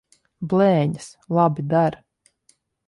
Blēņas! Labi der.